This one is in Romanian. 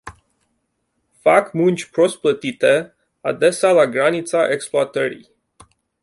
Fac munci prost plătite adesea la granița exploatării.